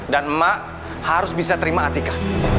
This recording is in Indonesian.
dan mak harus bisa terima atika